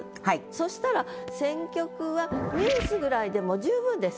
そしたら「選局はニュース」ぐらいでもう十分です。